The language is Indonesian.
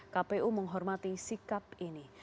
kpu menghormati sikap ini